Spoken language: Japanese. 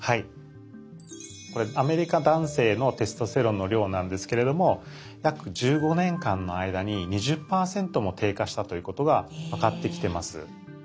これアメリカ男性のテストステロンの量なんですけれども約１５年間の間に２０％も低下したということが分かってきてます。